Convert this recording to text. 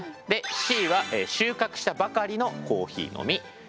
でＣは収穫したばかりのコーヒーの実。